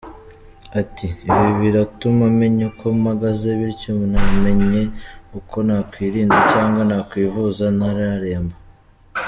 Ati “Ibi biratuma menya uko mpagaze bityo namenye uko nakwirinda cyangwa nakwivuza ntararemba.